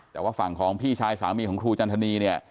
แต่ว่าฝั่งของพี่ชายสามีของครูจันทนีเนี่ย